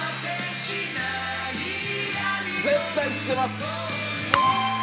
絶対知ってます。